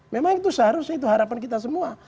memang itu seharusnya itu harapan kita semua